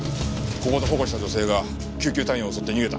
ここで保護した女性が救急隊員を襲って逃げた。